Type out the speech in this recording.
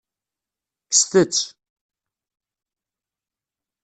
Kkset-tt.